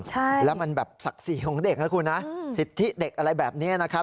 ใช่แล้วมันแบบศักดิ์ศรีของเด็กนะคุณนะสิทธิเด็กอะไรแบบนี้นะครับ